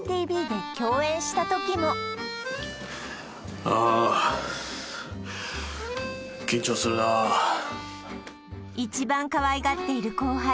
ＴＶ」で共演した時もああ緊張するな一番かわいがっている後輩